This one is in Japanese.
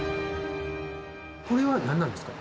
これはなんなんですか？